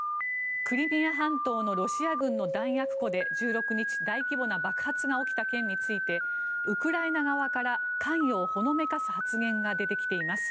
クリミア半島のロシア軍の弾薬庫で１６日、大規模な爆発が起きた件についてウクライナ側から関与をほのめかす発言が出てきています。